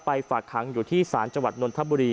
ไปฝากคังอยู่ที่สารจังหวัดนทบุรี